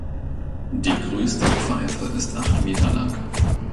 Die größte Pfeife ist acht Meter lang.